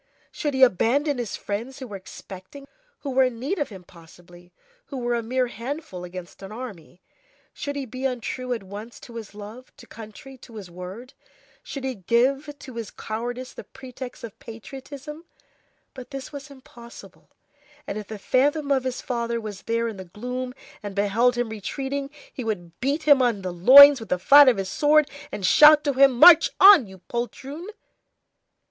Should he abandon his friends who were expecting him? Who were in need of him possibly! who were a mere handful against an army! Should he be untrue at once to his love, to country, to his word? Should he give to his cowardice the pretext of patriotism? But this was impossible, and if the phantom of his father was there in the gloom, and beheld him retreating, he would beat him on the loins with the flat of his sword, and shout to him: "March on, you poltroon!"